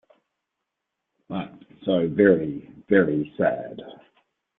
But so very, very sad.